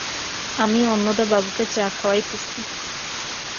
আমি অন্নদাবাবুকে চা খাওয়াইতেছি।